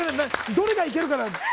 どれがいけるかなって。